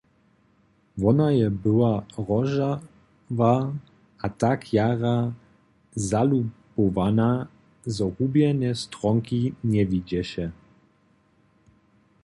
Wona je była rozžahła a tak jara zalubowana, zo hubjene stronki njewidźeše.